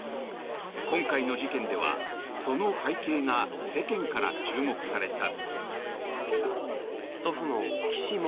今回の事件ではその背景が世間から注目された。